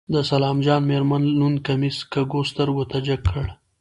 د سلام جان مېرمن لوند کميس کږو سترګو ته جګ کړ.